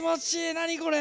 何これ！